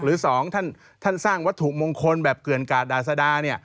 หรือ๒ท่านสร้างวัตถุมงคลแบบเกลื่อนกาศดาษดา